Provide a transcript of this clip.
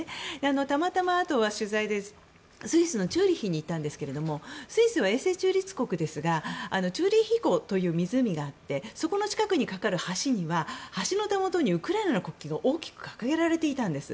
たまたまあと、取材でスイスのチューリヒにいたんですがスイスは永世中立国ですがチューリヒ湖という湖があってそこの近くに架かる橋には橋のたもとにウクライナの国旗が大きく掲げられていたんです。